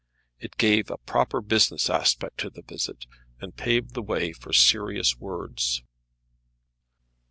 It gave a proper business aspect to the visit, and paved the way for serious words.